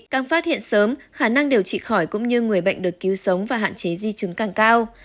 càng phát hiện sớm khả năng điều trị khỏi cũng như người bệnh được cứu sống và hạn chế di chứng càng cao